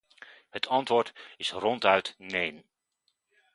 Het antwoord is ronduit neen!